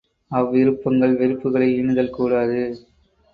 அவ்விருப்பங்கள் வெறுப்புகளை ஈனுதல் கூடாது.